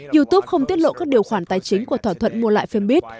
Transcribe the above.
youtube không tiết lộ các điều khoản tài chính của thỏa thuận mua lại fanbeat